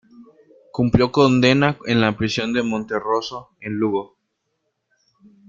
Cumplió condena en la prisión de Monterroso, en Lugo.